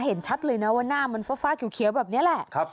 เห็นชัดเลยนะว่าหน้ามันฟ้าเขียวแบบนี้แหละ